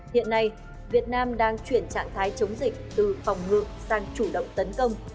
hiện nay việt nam đang chuyển trạng thái chống dịch từ phòng ngự sang chủ động tấn công